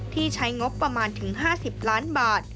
ใช้งบประมาณถึง๕๐ล้านบาท